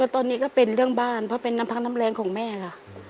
ตอนนี้ก็เป็นเรื่องบ้านเพราะเป็นน้ำพักน้ำแรงของแม่ค่ะ